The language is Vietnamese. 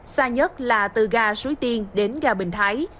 xa nhất là từ ga suối tiên đến ga bình thái